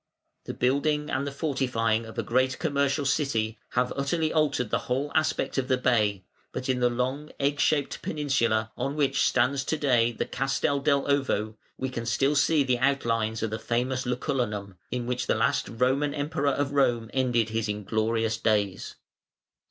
The building and the fortifying of a great commercial city have utterly altered the whole aspect of the bay, but in the long egg shaped peninsula, on which stands to day the Castel dell' Ovo, we can still see the outlines of the famous Lucullanum, in which the last Roman Emperor of Rome ended his inglorious days.